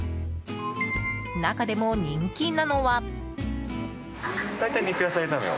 中でも人気なのは。